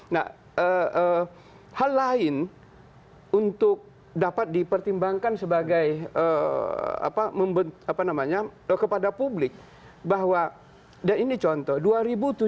nah hal lain untuk dapat dipertimbangkan sebagai apa namanya kepada publik bahwa dan ini contoh dua ribu tujuh belas